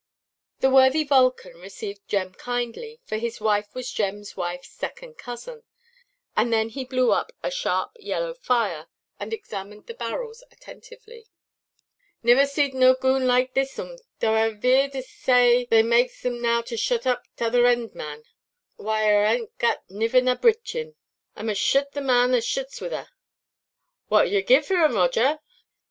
The worthy Vulcan received Jem kindly, for his wife was Jemʼs wifeʼs second cousin; and then he blew up a sharp yellow fire, and examined the barrels attentively. "Niver zeed no goon the likes o' thissom, though a 'ave 'eered say as they makes 'em now to shut out o' tʼother end, man. Whai, her hanʼt gat niver na brichinʼ! A must shut the man as shuts wiʼ her." "What wull e' gie vor un, Roger?